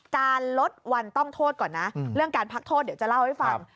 การลดวันต้องโทษก่อนนะเรื่องการพักโทษเดี๋ยวจะเล่าให้ฟัง